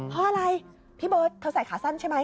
เพราะอะไรพี่เบิร์ตเธอใส่ขาสั้นใช่ไหม